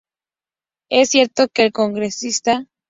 Es cierto que, el congresista?